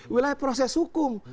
wilayah proses hukum